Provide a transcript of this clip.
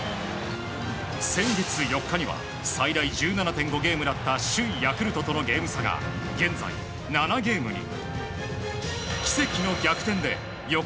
先月４日には最大１７．５ゲームだった首位、ヤクルトとのゲーム差が現在、７ゲームに。